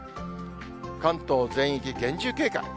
関東全域、厳重警戒。